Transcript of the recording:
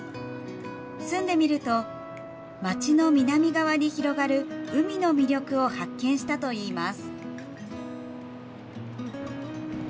住んでみると街の南側に広がる海の魅力を発見したといいます。